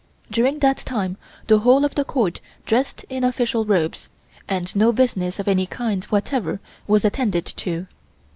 During that time the whole of the Court dressed in official robes, and no business of any kind whatever was attended to.